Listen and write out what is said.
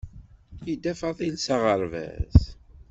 Yedda Faḍil s aɣerbaz.